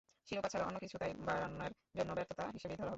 শিরোপা ছাড়া অন্য কিছু তাই বায়ার্নের জন্য ব্যর্থতা হিসেবেই ধরা হবে।